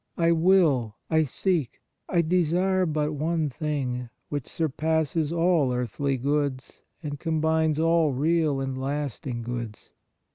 I will, I seek, I desire but one thing, which surpasses all earthly goods and combines all real and lasting goods